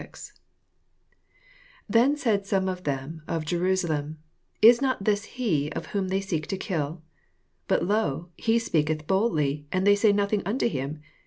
25 Tlien said some of thorn of Jem salem, Is not this he whom they seek to kill ? 26 Bat, loy he spealcetb boldly, and iliey say nothing unto him.